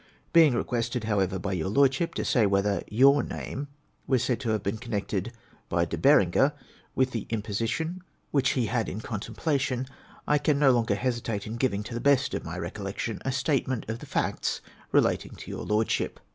Being requested, however, by your Lordship, to say whether " your name " was said to have been connected " by De Berenger " with the imposition which he had in contempla tion," I can no longer hesitate in giving, to the best of my recollection, a vStatement of the facts relating to your Lordship.